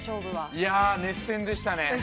◆いや、熱戦でしたね。